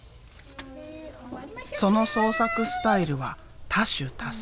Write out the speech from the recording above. その創作スタイルは多種多彩。